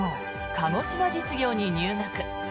鹿児島実業に入学。